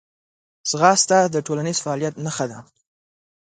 ځغاسته د ټولنیز فعالیت نښه ده